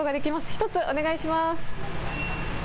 １つお願いします。